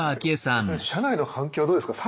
それ社内の反響はどうですか？